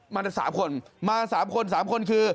มากัน๓คนมา๓คน๓คนคือ